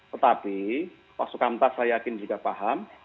tetapi pak sukamta saya yakin juga paham